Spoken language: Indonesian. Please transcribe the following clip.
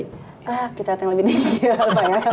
kita yang lebih tinggi lupa ya